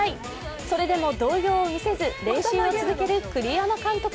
それでも動揺を見せず練習を続ける栗山監督。